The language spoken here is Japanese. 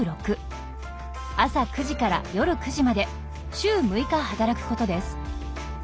朝９時から夜９時まで週６日働くことです。